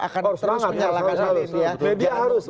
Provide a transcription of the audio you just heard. akan terus menyalakan ini harus harus